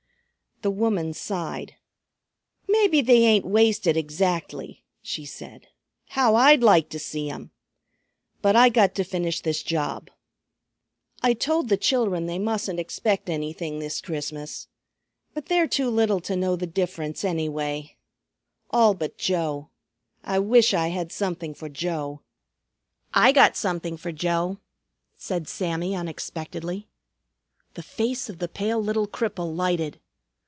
The woman sighed. "Maybe they ain't wasted exactly," she said. "How I'd like to see 'em! But I got to finish this job. I told the chil'ren they mustn't expect anything this Christmas. But they are too little to know the difference anyway; all but Joe. I wish I had something for Joe." "I got something for Joe," said Sammy unexpectedly. The face of the pale little cripple lighted.